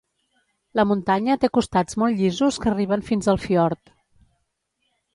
La muntanya té costats molt llisos que arriben fins al fiord.